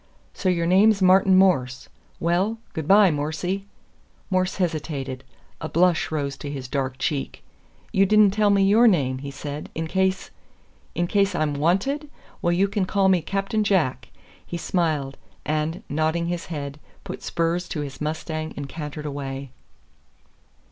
"So your name's Martin Morse! Well goodby, Morsey!" Morse hesitated. A blush rose to his dark check. "You didn't tell me your name," he said. "In case " "In case I'm WANTED? Well, you can call me Captain Jack." He smiled, and, nodding his head, put spurs to his mustang and cantered away.